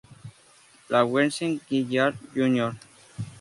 Lawrence Gilliard Jr.